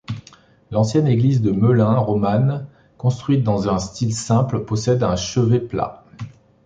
L'ancienne église de Meulin, romane, construite dans un style simple, possède un chevet plat.